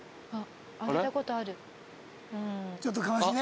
あっ。